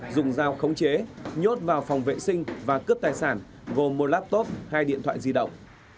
dùng dao khống chế nhốt vào phòng vệ sinh và cướp tài sản gồm một laptop hai điện thoại di động